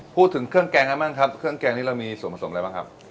เครื่องแกงกันบ้างครับเครื่องแกงนี้เรามีส่วนผสมอะไรบ้างครับ